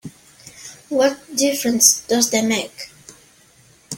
What difference does that make?